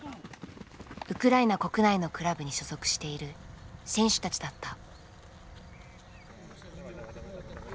ウクライナ国内のクラブに所属している選手たちだった。